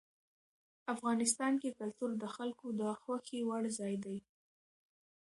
افغانستان کې کلتور د خلکو د خوښې وړ ځای دی.